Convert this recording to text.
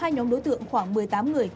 hai nhóm đối tượng khoảng một mươi tám người